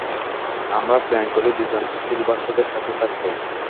আমরা প্ল্যান করি দুজন সিল বাচ্চাদের কাছে থাকবে।